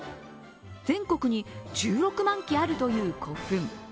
全国に１６万基あるという古墳。